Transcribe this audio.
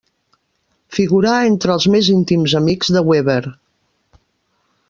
Figurà entre els més íntims amics de Weber.